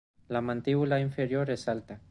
La mandíbula inferior es alta.